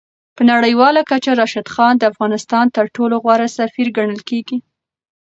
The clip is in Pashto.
په نړیواله کچه راشد خان د افغانستان تر ټولو غوره سفیر ګڼل کېږي.